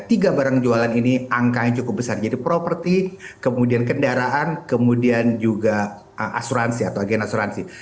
tiga barang jualan ini angkanya cukup besar jadi properti kemudian kendaraan kemudian juga asuransi atau agen asuransi